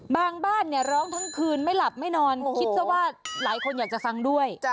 บ้านเนี่ยร้องทั้งคืนไม่หลับไม่นอนคิดซะว่าหลายคนอยากจะฟังด้วย